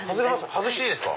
外していいですか？